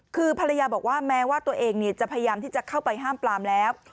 คือภรรยาบอกว่าแม้ว่าตัวเองจะพยายามที่จะเข้าไปห้ามปลามแล้ว